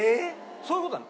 そういう事なの。